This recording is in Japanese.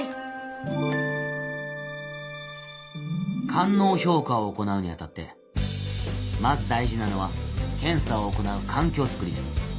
官能評価を行うに当たってまず大事なのは検査を行う環境づくりです。